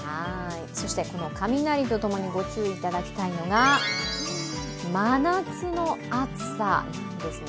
そして雷とともにご注意いただきたいのが、真夏の暑さですね。